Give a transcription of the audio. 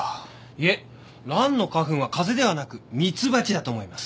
いえ蘭の花粉は風ではなくミツバチだと思います。